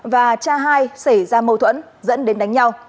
và cha hai xảy ra mâu thuẫn dẫn đến đánh nhau